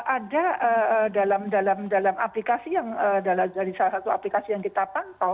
ada dalam aplikasi yang dari salah satu aplikasi yang kita pantau